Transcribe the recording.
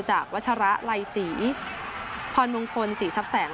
วัชระไลศรีพรมงคลศรีทรัพย์แสง